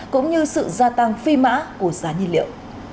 cũng như sự gia tăng phi mã của giá nhiên liệu